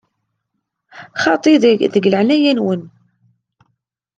Xaṭi, deg leɛnaya-nwen!